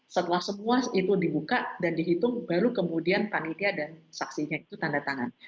setelah semua itu dibuka dan dihitung baru kemudian panitia dan saksinya itu tanda tangan